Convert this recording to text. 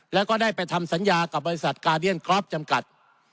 แล้วก็ได้ไปทำสัญญากับบริษัทกาเดียนกรอฟจำกัด